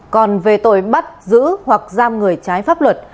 còn về tội bắt giữ hoặc giam người trái pháp luật